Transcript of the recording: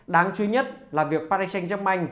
đáng chú ý nhất là việc paris saint germain